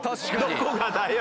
どこがだよ！